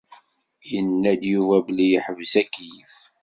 Yenna-d Yuba belli yeḥbes akeyyef.